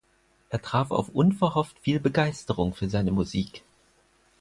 Er traf auf unverhofft viel Begeisterung für seine Musik.